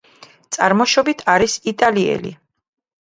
წარმოშობით არის იტალიელი.